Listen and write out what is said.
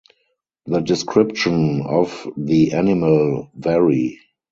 The description of the animal vary.